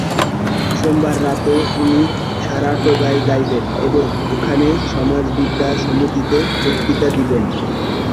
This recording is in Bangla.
সোমবার রাত্রে ইনি সারাটোগায় যাইবেন এবং ওখানে সমাজবিদ্যা সমিতিতে বক্তৃতা দিবেন।